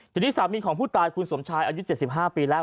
ทีนี้สามีของผู้ตายคุณสมชายอายุ๗๕ปีแล้ว